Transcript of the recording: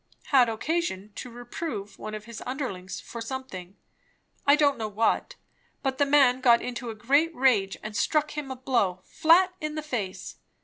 had occasion to reprove one of his underlings for something; I don't know what; but the man got into a great rage and struck him a blow flat in the face.